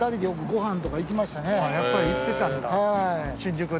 やっぱり行ってたんだ新宿で。